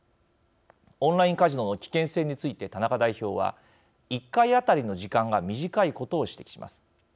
オンラインカジノの危険性について、田中代表は１回あたりの時間が短いことを指摘します。